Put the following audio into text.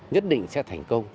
nhất định sẽ thành công